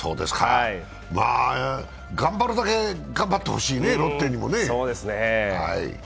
まあ、頑張るだけ頑張ってほしいね、ロッテにもね。